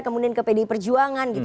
kemudian ke pdi perjuangan